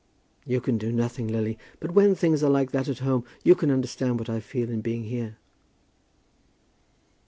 "You can do nothing, Lily. But when things are like that at home you can understand what I feel in being here."